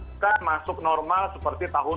bukan masuk normal seperti tahun dua ribu sembilan belas